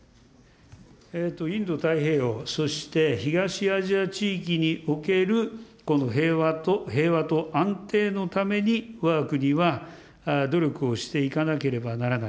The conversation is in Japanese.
インド太平洋、そして東アジア地域における平和と安定のためにわが国は努力をしていかなければならない。